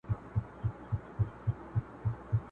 یو د بل په وینو سره به کړي لاسونه!